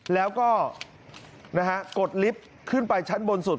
แล้วก็กดลิฟต์ขึ้นไปชั้นบนสุด